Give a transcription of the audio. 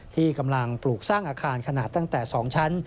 ที่กำลังปลูกสร้างอาคารขนาดตั้งแต่๒ชั้น